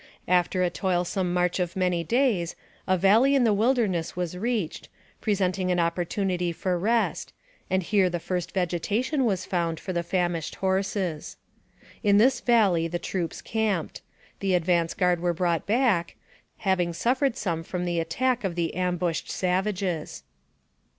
After a toilsome march of many days, a valley in the wilderness was reached, presenting an opportunity for rest, and here the first vegetation was found for the famished horses. In this valley the troops camped; the advance guard were brought back, having suffered some from the attack of the ambushed savages.